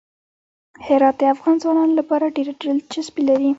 هرات د افغان ځوانانو لپاره ډېره دلچسپي لري.